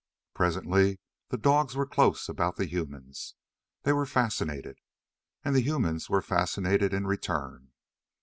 Presently the dogs were close about the humans. They were fascinated. And the humans were fascinated in return.